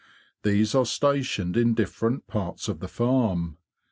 These are stationed in different parts of the farm.